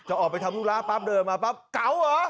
ออกไปทำธุระปั๊บเดินมาปั๊บเก๋าเหรอ